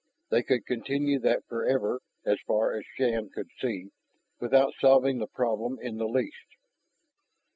They could continue that forever, as far as Shann could see, without solving the problem in the least.